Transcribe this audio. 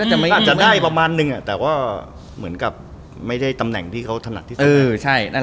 อาจจะได้ประมาณนึงแต่ว่าเหมือนกับไม่ได้ตำแหน่งที่เขาถนัดที่สุด